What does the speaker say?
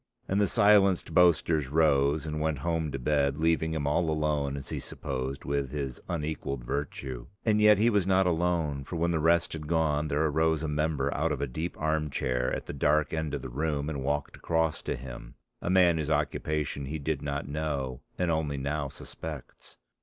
And the silenced boasters rose and went home to bed leaving him all alone, as he supposed, with his unequalled virtue. And yet he was not alone, for when the rest had gone there arose a member out of a deep arm chair at the dark end of the room and walked across to him, a man whose occupation he did not know and only now suspects.